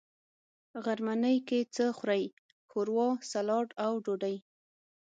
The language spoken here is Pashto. غرمنۍ کی څه خورئ؟ ښوروا، ، سلاډ او ډوډۍ